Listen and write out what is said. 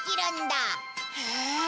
へえ。